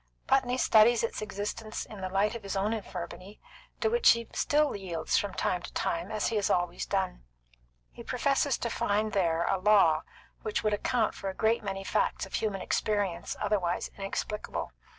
Putney studies its existence in the light of his own infirmity, to which he still yields from time to time, as he has always done. He professes to find there a law which would account for a great many facts of human experience otherwise inexplicable.